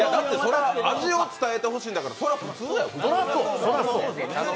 味を伝えてほしいんだからそれは普通だよ。